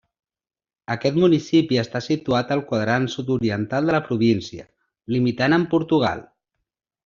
Aquest municipi està situat al quadrant sud-oriental de la província, limitant amb Portugal.